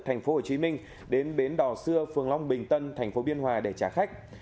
thành phố hồ chí minh đến bến đỏ xưa phương long bình tân thành phố biên hòa để trả khách